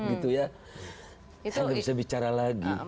kita tidak bisa bicara lagi